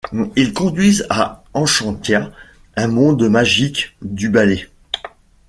Ils conduisent à Enchantia, un monde magique du ballet.